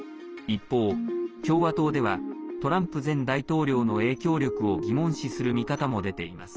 一方、共和党ではトランプ前大統領の影響力を疑問視する見方も出ています。